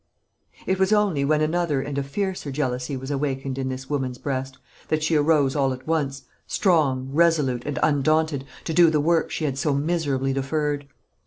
It was only when another and a fiercer jealousy was awakened in this woman's breast, that she arose all at once, strong, resolute, and undaunted, to do the work she had so miserably deferred.